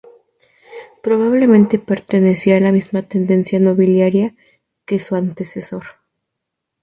Probablemente pertenecía a la misma tendencia nobiliaria que su antecesor.